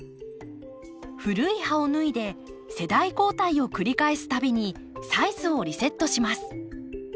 古い葉を脱いで世代交代を繰り返す度にサイズをリセットします。